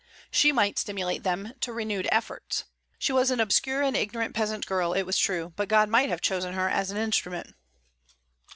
She might stimulate them to renewed efforts. She was an obscure and ignorant peasant girl, it was true, but God might have chosen her as an instrument.